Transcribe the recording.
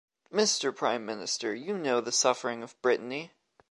Mister Prime Minister, you know the suffering of Brittany.